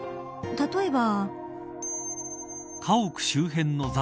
例えば。